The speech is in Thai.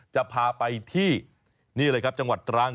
จะพาไปที่นี่เลยครับจังหวัดตรัง